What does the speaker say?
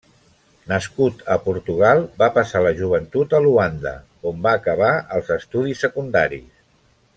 Nascut a Portugal, va passar la joventut a Luanda, on va acabar els estudis secundaris.